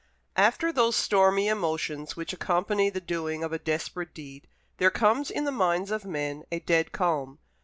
After those stormy emotions which accompany the doing of a desperate deed, there comes in the minds of men a dead calm.